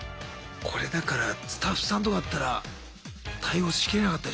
これだからスタッフさんとかだったら対応しきれなかったでしょうね。